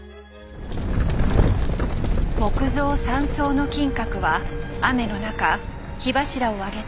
木造３層の金閣は雨の中火柱を上げて